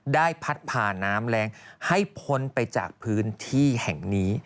ได้พัดผ่าน้ำแรงให้พ้นไปจากพื้นที่แห่งนี้